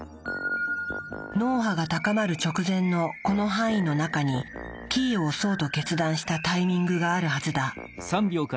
脳波が高まる直前のこの範囲の中にキーを押そうと決断したタイミングがあるはずだ。